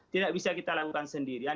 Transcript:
tidak bisa kita lakukan sendirian